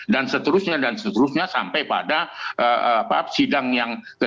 dan seterusnya sampai pada sidang yang ke sembilan belas